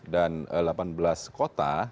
dan delapan belas kota